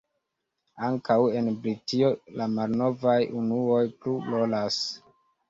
Ankaŭ en Britio la malnovaj unuoj plu rolas.